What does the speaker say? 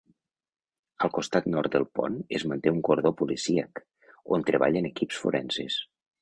Al costat nord del pont es manté un cordó policíac, on treballen equips forenses.